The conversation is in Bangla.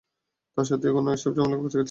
তা সত্ত্বেও এখনও এসে ঝামেলা পাকাচ্ছিস।